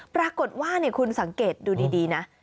ปรากฏว่าคุณสังเกตดูดีนะ